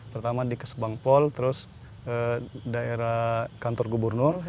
pertama di kesebangpol terus daerah kantor gubernur